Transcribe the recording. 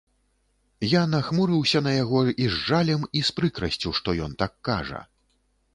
Я нахмурыўся на яго і з жалем і з прыкрасцю, што ён так кажа.